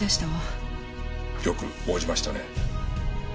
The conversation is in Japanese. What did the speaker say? よく応じましたね。